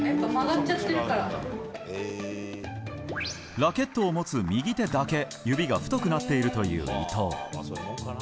ラケットを持つ右手だけ指が太くなっているという伊藤。